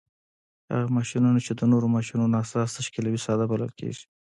هغه ماشینونه چې د نورو ماشینونو اساس تشکیلوي ساده بلل کیږي.